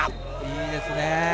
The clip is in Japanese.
いいですね。